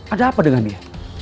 ada apa dengan dia